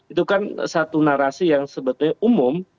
itu kan satu narasi yang sebetulnya umum